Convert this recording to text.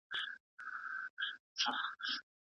د نجونو ښوونځي باید په ټولو برخو کي فعال پاته سي.